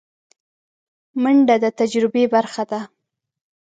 منډه د تجربې برخه ده